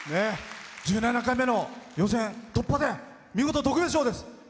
１７回目の予選突破で見事、特別賞です。